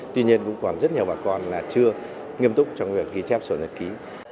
tuy nhiên cũng còn rất nhiều bà con là chưa nghiêm túc trong việc ghi chép sổ nhật ký